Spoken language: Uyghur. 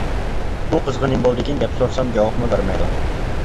ئۇ قىزغا نېمە بولدىكىن گەپ سورىسام جاۋابمۇ بەرمەيدۇ.